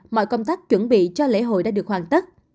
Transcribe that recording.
mọi công tác chuẩn bị cho lễ hội đã được hoàn tất